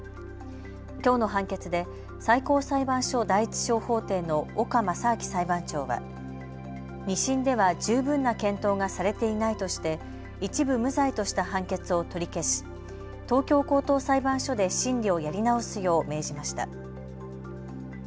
きょうの判決で最高裁判所第１小法廷の岡正晶裁判長は２審では十分な検討がされていないとして一部無罪とした判決を取り消し東京高等裁判所で審理をやり直すよう命じました。